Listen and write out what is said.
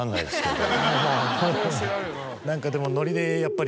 何かでも。